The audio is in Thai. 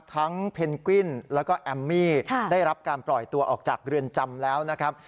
เพนกวิ้นแล้วก็แอมมี่ได้รับการปล่อยตัวออกจากเรือนจำแล้วนะครับ